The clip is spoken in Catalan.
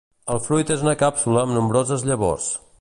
El fruit és una càpsula amb nombroses llavors.